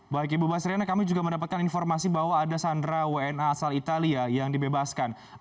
baik ibu basriana kami juga mendapatkan informasi bahwa ada sandra wna asal italia yang dibebaskan